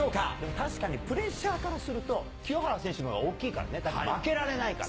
確かにプレッシャーからすると、清原選手のほうが大きいからね、だって負けられないから。